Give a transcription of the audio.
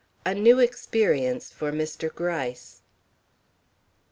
A NEW EXPERIENCE FOR MR. GRYCE.